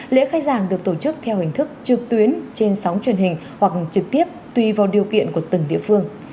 lễ khai giảng được tổ chức theo hình thức trực tuyến trên sóng truyền hình hoặc trực tiếp tùy vào điều kiện của từng địa phương